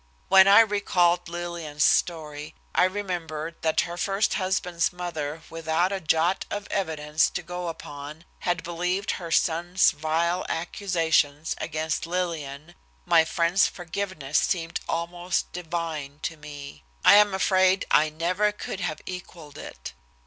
When I recalled Lillian's story, remembered that her first husband's mother without a jot of evidence to go upon had believed her son's vile accusations against Lillian, my friend's forgiveness seemed almost divine to me. I am afraid I never could have equaled it.